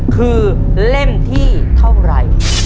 คือเล่มที่เท่าไหร่